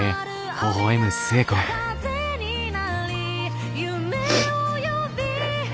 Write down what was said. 「風になり」「夢を呼び」